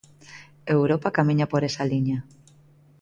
Europa camiña por esa liña.